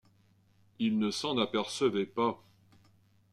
Il ne s’en apercevait pas.